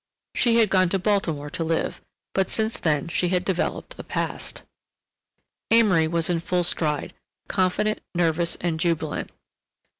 She had gone to Baltimore to live—but since then she had developed a past. Amory was in full stride, confident, nervous, and jubilant.